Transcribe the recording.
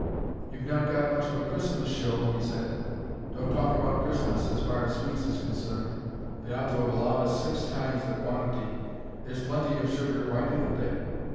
"You've not got much of a Christmas show," he said. "Don't talk about Christmas, as far as sweets is concerned. They ought to have allowed us six times the quantity there's plenty of sugar, why didn't they?